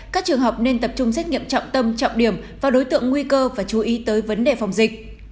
các trường học nên tập trung xét nghiệm trọng tâm trọng điểm và đối tượng nguy cơ và chú ý tới vấn đề phòng dịch